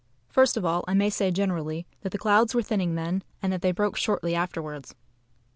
First of all, I may say generally that the clouds were thinning then, and that they broke shortly afterwards.